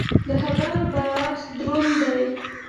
د خبرو بار دروند دی.